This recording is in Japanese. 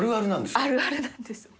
あるあるなんです。